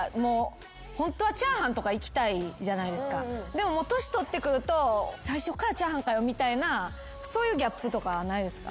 でも年取ってくると最初からチャーハンかよみたいなそういうギャップとかはないですか？